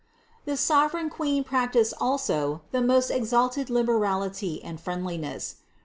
567. The sovereign Queen practiced also the most ex alted liberality and friendliness.